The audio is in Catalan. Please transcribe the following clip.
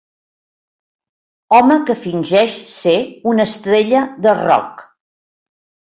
Home que fingeix ser una estrella de rock.